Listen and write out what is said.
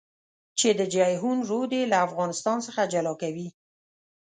چې د جېحون رود يې له افغانستان څخه جلا کوي.